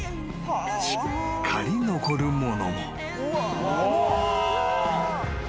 ［しっかり残るものも］